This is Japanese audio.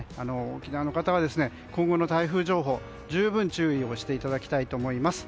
沖縄の方は今後の台風情報に十分、注意していただきたいと思います。